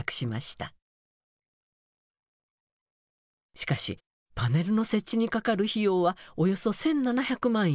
しかしパネルの設置にかかる費用はおよそ１，７００万円。